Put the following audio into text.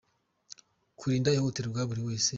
Kurinda ihohoterwa buri wese.